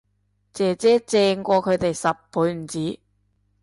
姐姐正過佢哋十倍唔止